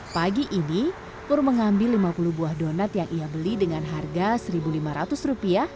pagi ini pur mengambil lima puluh buah donat yang ia beli dengan harga rp satu lima ratus